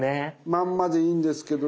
まんまでいいんですけど。